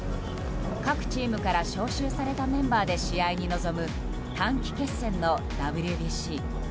各チームから招集されたメンバーで試合に臨む短期決戦のＷＢＣ。